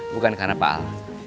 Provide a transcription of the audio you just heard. bukan karena pak al